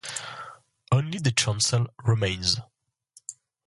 Only the chancel remains.